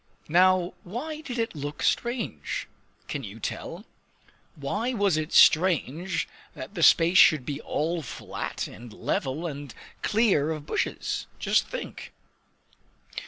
Now, why did it look strange? Can you tell? Why was it strange that the space should be all flat and level, and clear of bushes? Just think!